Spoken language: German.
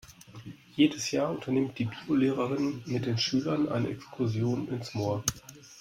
Jedes Jahr unternimmt die Biolehrerin mit den Schülern eine Exkursion ins Moor.